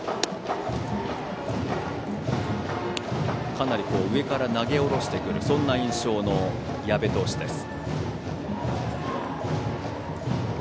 かなり上から投げ下ろしてくる印象の矢部投手です。